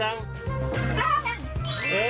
รอเหนื่อย